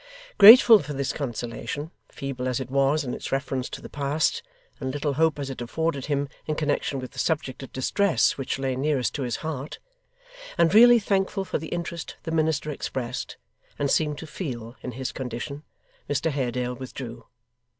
Grateful for this consolation, feeble as it was in its reference to the past, and little hope as it afforded him in connection with the subject of distress which lay nearest to his heart; and really thankful for the interest the minister expressed, and seemed to feel, in his condition; Mr Haredale withdrew.